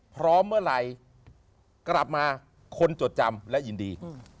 พร้อมเมื่อไหร่กลับมาคนจดจำและยินดี